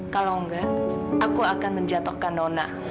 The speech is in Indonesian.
kalau enggak aku akan menjatuhkan nona